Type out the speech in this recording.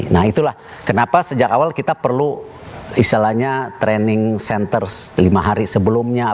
nah itulah kenapa sejak awal kita perlu istilahnya training center lima hari sebelumnya